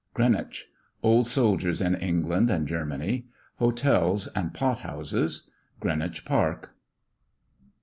GREENWICH. OLD SOLDIERS IN ENGLAND AND GERMANY. HOTELS AND POT HOUSES. GREENWICH PARK.